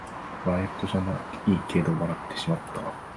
笑いごとじゃないけど笑ってしまった